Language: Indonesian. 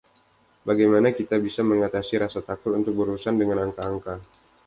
Bagaimana kita bisa mengatasi rasa takut untuk berurusan dengan angka-angka?